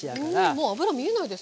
もう油見えないですもんね。